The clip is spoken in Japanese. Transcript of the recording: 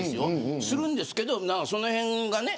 するんですけど、そのへんがね。